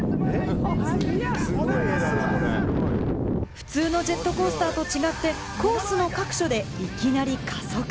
普通のジェットコースターと違って、コースの各所でいきなり加速。